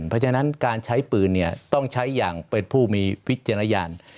เพราะฉะนั้นการใช้ปืนเนี่ยต้องใช้อย่างเป็นผู้มีวิจารณญาณ